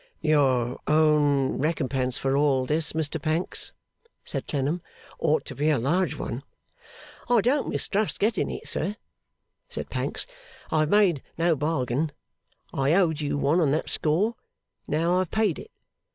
'Your own recompense for all this, Mr Pancks,' said Clennam, 'ought to be a large one.' 'I don't mistrust getting it, sir,' said Pancks. 'I have made no bargain. I owed you one on that score; now I have paid it.